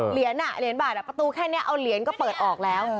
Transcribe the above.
เหรียญเหรียญบาทประตูแค่นี้เอาเหรียญก็เปิดออกแล้ว